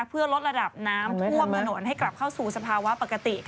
เพื่อลดระดับน้ำท่วมถนนให้กลับเข้าสู่สภาวะปกติ